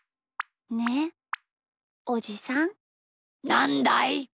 なんだい？